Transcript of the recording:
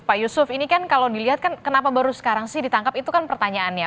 pak yusuf ini kan kalau dilihat kan kenapa baru sekarang sih ditangkap itu kan pertanyaannya